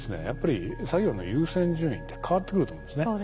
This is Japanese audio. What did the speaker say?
やっぱり作業の優先順位って変わってくると思うんですね。